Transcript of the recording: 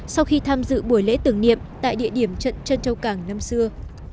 sau khi tham dự buổi lễ tưởng niệm tại địa điểm trận trân châu cảng năm xưa